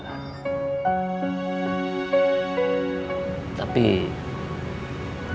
tapi justru amanah